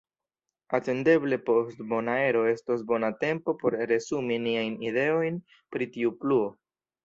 Atendeble post Bonaero estos bona tempo por resumi niajn ideojn pri tiu pluo.